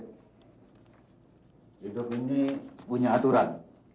hidup ini punya aturan